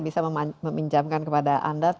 bisa meminjamkan kepada anda